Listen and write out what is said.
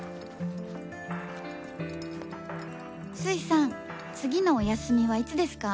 「粋さん次のお休みはいつですか？」